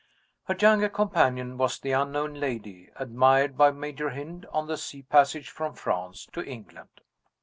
Her younger companion was the unknown lady admired by Major Hynd on the sea passage from France to England.